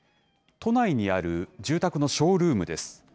都内にある住宅のショールームです。